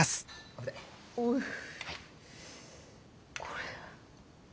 これ？